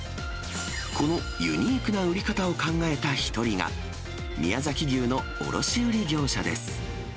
このユニークな売り方を考えた一人が、宮崎牛の卸売業者です。